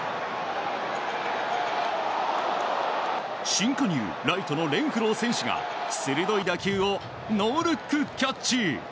新加入ライトのレンフロー選手が鋭い打球をノールックキャッチ。